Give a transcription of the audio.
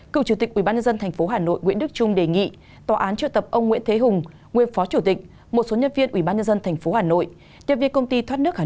cựu chủ tịch hà nội khiếu nại